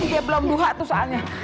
dia belum buka tuh soalnya